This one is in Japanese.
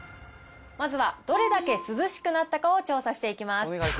まずは、どれだけ涼しくなったかを調査していきます。